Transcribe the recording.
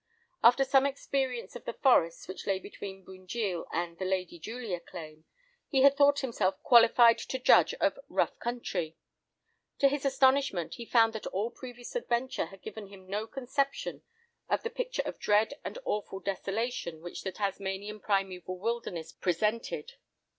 After some experience of the forests which lay between Bunjil and the "Lady Julia" claim, he had thought himself qualified to judge of "rough country." To his astonishment, he found that all previous adventure had given him no conception of the picture of dread and awful desolation which the Tasmanian primeval wilderness presented.